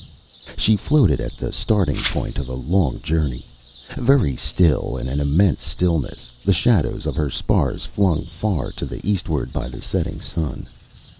She floated at the starting point of a long journey, very still in an immense stillness, the shadows of her spars flung far to the eastward by the setting sun.